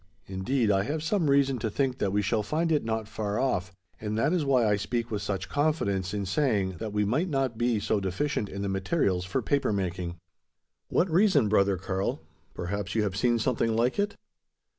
Indeed, I have some reason to think that we shall find it not far off; and that is why I speak with such confidence, in saying, that we might not be so deficient in the materials for paper making." "What reason, brother Karl? Perhaps you have seen something like it?"